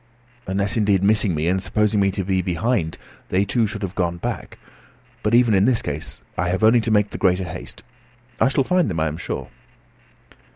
Unless, indeed, missing me, and supposing me to be behind, they too should have gone back. But even in this case I have only to make the greater haste. I shall find them, I am sure."